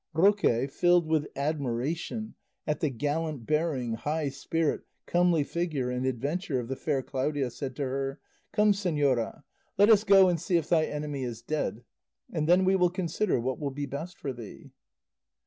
Roque, filled with admiration at the gallant bearing, high spirit, comely figure, and adventure of the fair Claudia, said to her, "Come, señora, let us go and see if thy enemy is dead; and then we will consider what will be best for thee."